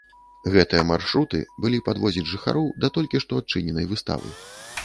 Гэтыя маршруты былі падвозіць жыхароў да толькі што адчыненай выставы.